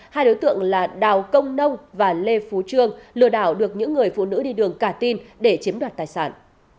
hai đối tượng là đào công nông và lê phú trương lừa đảo được những người phụ nữ đi đường cả tin để chiếm đoạt tài sản